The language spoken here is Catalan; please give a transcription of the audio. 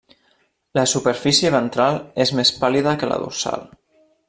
La superfície ventral és més pàl·lida que la dorsal.